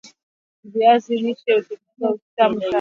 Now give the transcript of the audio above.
Viazi lishe hutengeneza uji mtamu sana